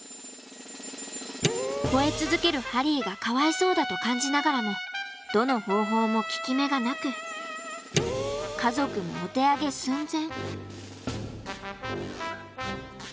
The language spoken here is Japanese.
吠え続けるハリーがかわいそうだと感じながらもどの方法も効き目がなく家族もお手上げ寸前。